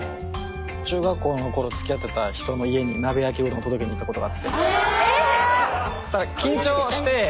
中学校のころつきあってた人の家に鍋焼きうどん届けにいったことがあって。